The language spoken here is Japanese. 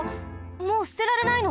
もうすてられないの？